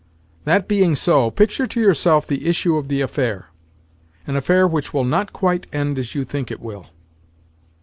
That being so, picture to yourself the issue of the affair—an affair which will not quite end as you think it will."